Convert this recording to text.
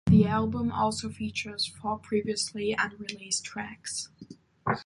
The album also features four previously unreleased tracks.